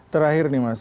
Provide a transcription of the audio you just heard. terakhir nih mas